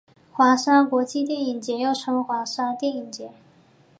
华沙国际电影节又作华沙电影节。